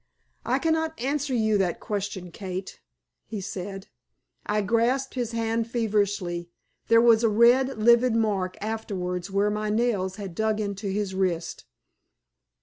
"I cannot answer you that question, Kate," he said. I grasped his hand feverishly. There was a red livid mark afterwards where my nails had dug into his wrist.